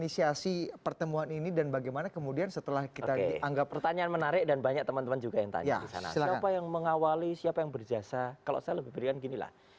siapa yang mengawali siapa yang berjasa kalau saya lebih berikan ginilah